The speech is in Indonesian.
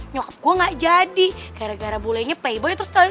nyokap gue gak jadi gara gara bulenya playboy terus tuh kere